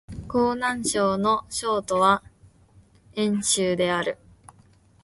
河南省の省都は鄭州である